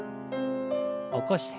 起こして。